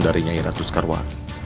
dari nyai ratu skarwa